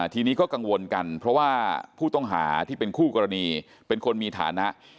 ทีนี้ก็กังวลกันเพราะว่าผู้ต้องหาที่เป็นคู่กรณีเป็นคนมีฐานะ